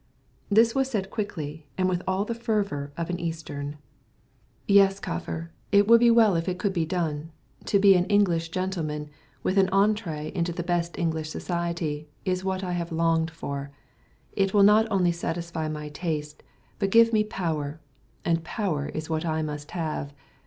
This was said quickly, and with all the fervour of an Eastern. "Yes, Kaffar. It would be well if it could be done. To be an English gentleman, with an entree into the best English society, is what I have long longed for. It will not only satisfy my taste, but give me power, and power is what I must have.